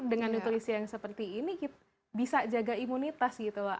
dengan nutrisi yang seperti ini kita bisa jaga imunitas gitu loh